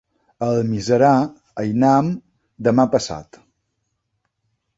A Almiserà hi anem demà passat.